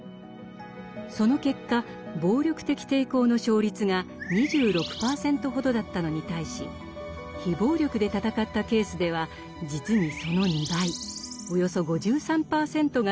その結果暴力的抵抗の勝率が２６％ほどだったのに対し非暴力で闘ったケースでは実にその２倍およそ５３％が成功を収めていることが分かったのです。